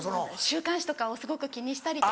週刊誌とかをすごく気にしたり。